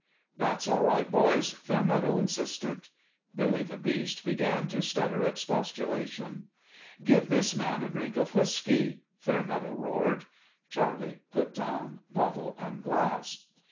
" That's all right, boys," Fairmeadow insisted. Billy the Beast began to stutter expostulation. " Give this man a drink of whiskey !" Fair meadow roared. Charlie put down bottle and glass.